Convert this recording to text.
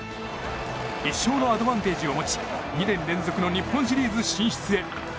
１勝のアドバンテージを持ち２年連続の日本シリーズ進出へ。